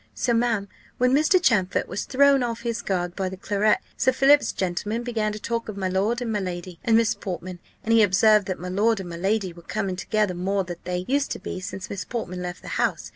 So, ma'am, when Mr. Champfort was thrown off his guard by the claret, Sir Philip's gentleman began to talk of my lord and my lady, and Miss Portman; and he observed that my lord and my lady were coming together more than they used to be since Miss Portman left the house.